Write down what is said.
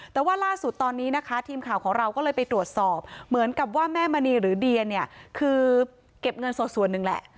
แต่ว่าล่าสุดตอนนี้นะคะทีมข่าวของเราก็เลยไปตรวจสอบเหมือนกับว่าแม่มณีหรือเดียเนี่ยคือเก็บเงินสดส่วนหนึ่งแหละ